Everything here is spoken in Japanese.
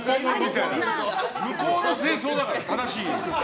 向こうの正装だから、正しい。